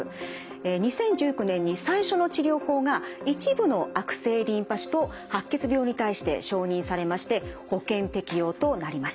２０１９年に最初の治療法が一部の悪性リンパ腫と白血病に対して承認されまして保険適用となりました。